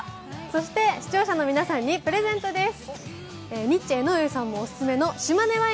そして視聴者の皆さんにプレゼントです。